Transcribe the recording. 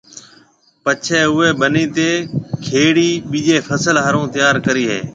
پڇيَ اُوئي ٻنِي نَي کيڙيَ ٻِيجي فصل هارون تيار ڪريَ هيَ۔